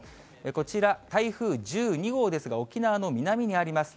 こちら、台風１２号ですが、沖縄の南にあります。